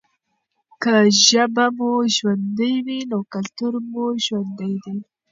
که ژبه مو ژوندۍ وي نو کلتور مو ژوندی دی.